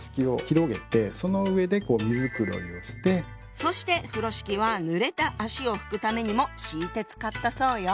そして風呂敷はぬれた足を拭くためにも敷いて使ったそうよ。